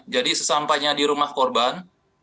jadi sesampainya di rumah korban